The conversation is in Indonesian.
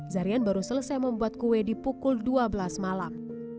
zarian baru selesai membuat kue di pukul dua belas malam